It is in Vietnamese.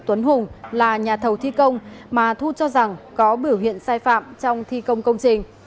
tuấn hùng là nhà thầu thi công mà thu cho rằng có biểu hiện sai phạm trong thi công công trình